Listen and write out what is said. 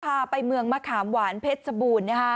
พาไปเมืองมะขามหวานเพชรชบูรณ์